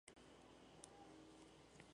Cuenta con tres residencias estudiantiles.